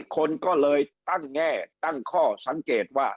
คนก็เลยตั้งแง่ตั้งข้อสังเกตว่า